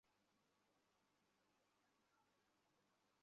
কুমার সাঙ্গাকারার বিদায়ী ম্যাচে দিনটি নিজের করে নিতে পারেননি কোনো লঙ্কান বোলারই।